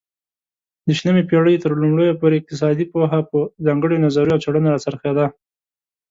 د شلمې پيړۍ ترلومړيو پورې اقتصادي پوهه په ځانگړيو نظريو او څيړنو را څرخيده